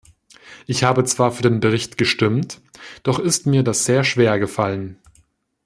Ich habe zwar für den Bericht gestimmt, doch ist mir das sehr schwer gefallen.